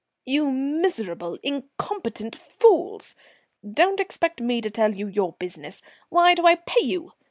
"You miserable and incompetent fools! Don't expect me to tell you your business. Why do I pay you?